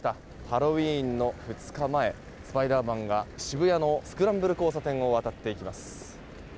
ハロウィーンの２日前スパイダーマンが渋谷のスクランブル交差点を渡っていきます。